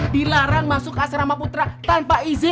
dilarang masuk asrama putra tanpa izin